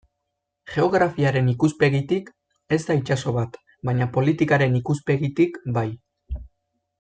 Geografiaren ikuspegitik ez da itsaso bat baina politikaren ikuspegitik bai.